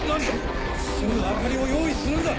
すぐ明かりを用意するんだ！